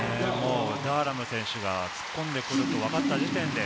ダーラム選手が突っ込んでくると分かった時点で